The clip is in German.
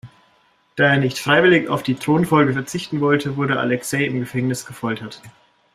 Da er nicht freiwillig auf die Thronfolge verzichten wollte, wurde Alexei im Gefängnis gefoltert.